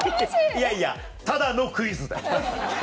いやいやただのクイズだよ。